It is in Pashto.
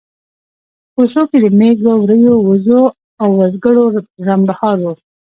په کوڅو کې د مېږو، وريو، وزو او وزګړو رمبهار و.